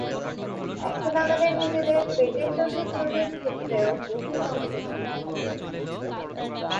এখন আমাদের নিজেদের পেটেন্ট ওষুধ তৈরির ক্ষেত্রেও গভীর মনোযোগ দিতে হবে।